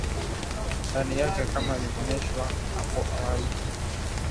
ndani yake Kama ilivyoonyeshwa hapo awali sifa